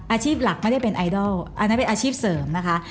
อาชีพหลักไม่ได้เป็นไอดอลอันนั้นเป็นอาชีพเสริมนะคะ